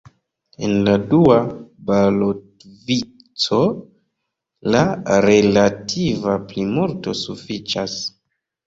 En la dua balotvico, la relativa plimulto sufiĉas.